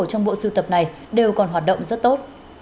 trong bộ sưu tập này đều còn hoạt động rất tốt